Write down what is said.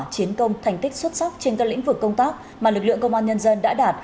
chiến công thành tích xuất sắc trên các lĩnh vực công tác mà lực lượng công an nhân dân đã đạt